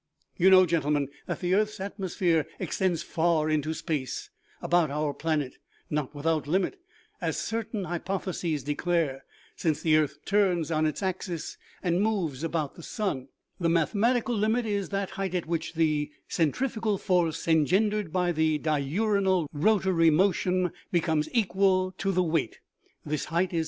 You know, gentlemen, that the earth's atmosphere ex tends far into space about our planet ; not without limit, as certain hypotheses declare, since the earth turns on its axis and moves about the sun : the mathematical limit is that height at which the centrifugal force engendered by the diurnal rotary motion becomes equal to the weight ; this height is 6.